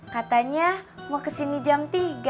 katanya mau kesini jam tiga